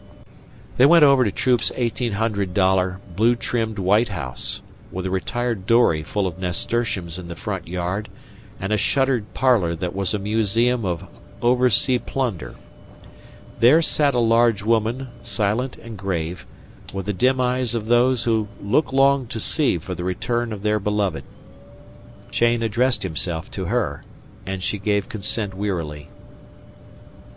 They went blue trimmed of nasturtiums over to Troop's eighteen hundred dollar, white house, with a retired dory full in the front yard and a shuttered parlour which was a museum of oversea plunder. There sat a large woman, silent and grave, with the dim eyes of those who look long to sea for the return of their beloved. Cheyne addressed himself to her, and she gave consent wearily.